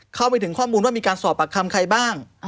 เข้าไปถึงข้อมูลว่ามีการสอบปากคำใครบ้าง